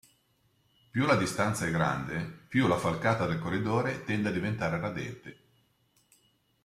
Più la distanza è grande, più la falcata del corridore tende a diventare radente.